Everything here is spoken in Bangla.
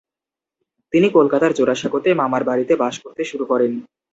তিনি কোলকাতার জোড়াসাঁকোতে মামার বাড়িতে বাস করতে শুরু করেন।